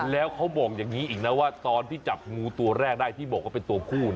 แล้วเขาบอกอย่างนี้อีกนะว่าตอนที่จับงูตัวแรกได้ที่บอกว่าเป็นตัวคู่